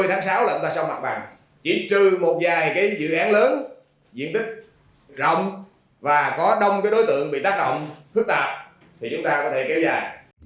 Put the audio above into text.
tháng sáu là chúng ta xong mặt bằng chỉ trừ một vài dự án lớn diện tích rộng và có đông đối tượng bị tác động khức tạp thì chúng ta có thể kéo dài